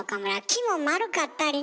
木も丸かったりね